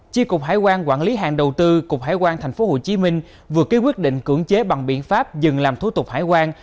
chi cục hải quan quản lý hàng đầu tư cục hải quan tp hcm vừa ký quyết định cưỡng chế bằng biện pháp dừng làm thủ tục hải quan